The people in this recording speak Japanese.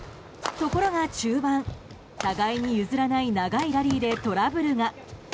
ところが中盤互いに譲らない長いラリーでトラブルが。